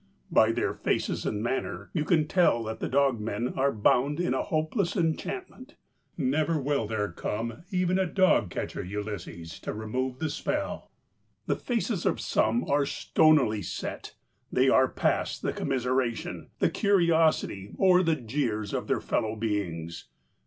By their faces and manner you can tell that the dogmen are bound in a hopeless enchantment. Never will there come even a dog catcher Ulysses to remove the spell. The faces of some are stonily set. They are past the commiseration, the curiosity, or the jeers of their fellow beings.